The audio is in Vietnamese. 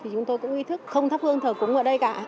chúng tôi cũng ý thức không thắp hương thờ cúng ở đây cả